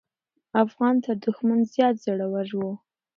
افغانان تر دښمن زیات زړور وو.